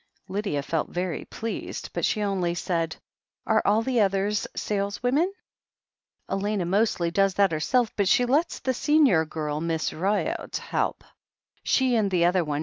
Lydia felt very pleased, but she only said : "Are all the others saleswomen?" "Elena mostly does that herself, but she lets the senior girl. Miss Ryott, help. She and the other one.